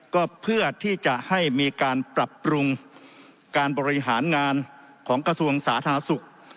ก็เพื่อที่จะให้มีการปรับปรุงการบริหารงานของกระทรวงสาธารณสุข